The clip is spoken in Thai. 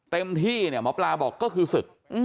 เต็มที่เนี่ยหมอปลาบอกก็คือศึก